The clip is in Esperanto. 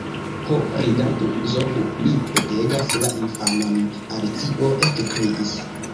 "Ho, rigardu, zorgu, mi petegas la infanon!" Alicio ekkriis.